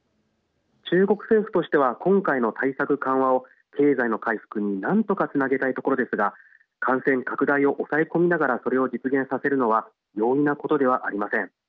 中国政府としては今回の対策緩和を経済の回復に何とかつなげたいところですが感染拡大を抑え込みながらそれを実現させるのは容易なことではありません。